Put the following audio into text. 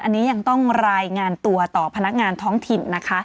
อันนี้ยังต้องรายงานตัวต่อพนักงานท้องถิ่นนะคะ